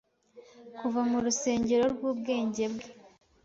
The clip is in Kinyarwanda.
Kuva mu rusengero rwubwenge bwe